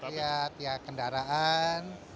lihat ya kendaraan